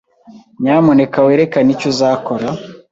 Nyamuneka werekane icyo uzakora.